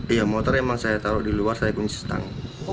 iya motor emang saya taruh di luar saya kunci stang